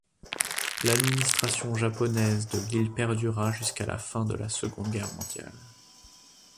L’administration japonaise de l’île perdura jusqu’à la fin de la Seconde Guerre mondiale.